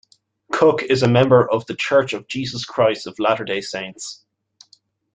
Cook is a member of the Church of Jesus Christ of Latter-day Saints.